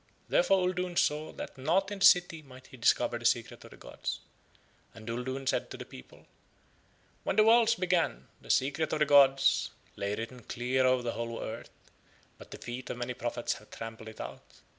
Therefore Uldoon saw that not in that city might he discover the Secret of the gods. And Uldoon said to the people: "When the worlds began, the Secret of the gods lay written clear over the whole earth, but the feet of many prophets have trampled it out.